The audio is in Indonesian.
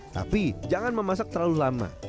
tapi jangan memasak terlalu lama